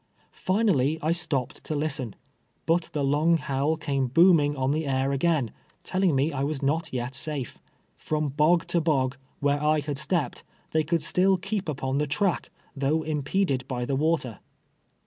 Finally I stop ped to listen, but the long howl came booming on the air again, telling me I was not yet safe. From bog to l>og, where I had stepped, they could still keep uj^on the track, though impeded by the Avater.